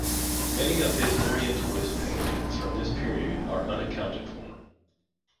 Many of his Orientalist paintings from this period are unaccounted for.